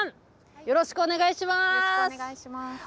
よろしくお願いします。